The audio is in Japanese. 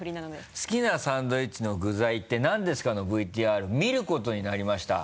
「好きなサンドイッチの具材ってなんですか？」のＶＴＲ見ることになりました。